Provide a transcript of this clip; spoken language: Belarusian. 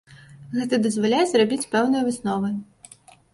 Гэта дазваляе зрабіць пэўныя высновы.